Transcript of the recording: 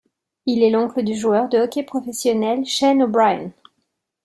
Il est l'oncle du joueur de hockey professionnel, Shane O'Brien.